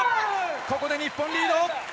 ここで日本リード。